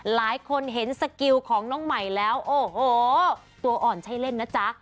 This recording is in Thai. หลายคนเห็นสกิลของน้องใหม่แล้วโอ้โหตัวอ่อนใช่เล่นนะจ๊ะ